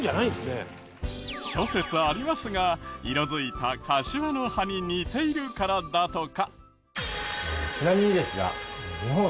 諸説ありますが色づいたかしわの葉に似ているからだとか。